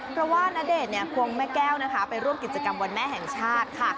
เพราะว่าณเดชน์ควงแม่แก้วนะคะไปร่วมกิจกรรมวันแม่แห่งชาติค่ะ